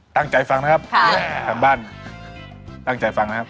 ตั้งใจฟังนะครับทางบ้านตั้งใจฟังนะครับ